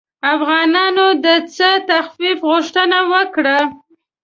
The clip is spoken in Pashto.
افغانانو د څه تخفیف غوښتنه وکړه.